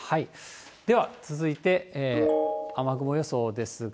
では続いて、雨雲予想ですが。